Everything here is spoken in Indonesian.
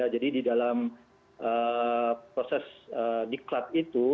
jadi di dalam proses di klaat itu